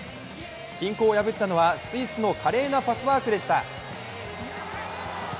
均衡を破ったのはスイスの華麗なパスワークでした。